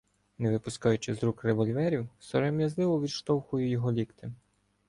Не випускаючи з рук револьверів, сором'язливо відштовхую його ліктем.